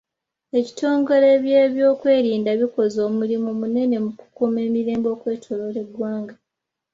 Ekitongole by'ebyokwerinda bikoze omulimu munene mu kukuuma emirembe okwetooloola eggwanga.